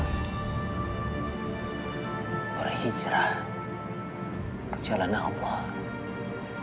kita berhijrah ke jalan allah